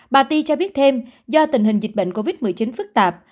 bà ti cho biết thêm do tình hình dịch bệnh covid một mươi chín phức tạp